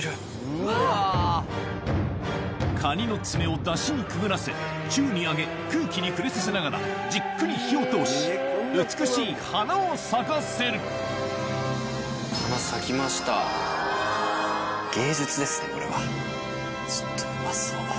カニの爪をダシにくぐらせ宙に上げ空気に触れさせながらじっくり火を通し美しい花を咲かせるちょっとうまそう。